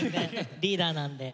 リーダーなんで。